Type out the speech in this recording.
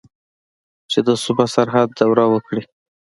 چې د صوبه سرحد دوره وکړي.